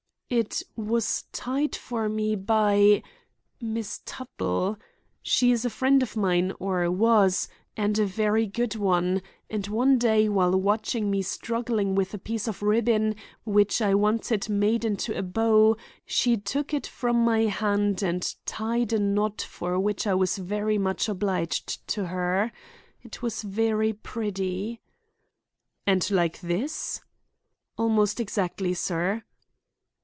"It was tied for me by—Miss Tuttle. She is a friend of mine, or was—and a very good one; and one day while watching me struggling with a piece of ribbon, which I wanted made into a bow, she took it from my hand and tied a knot for which I was very much obliged to her. It was very pretty." "And like this?" "Almost exactly, sir."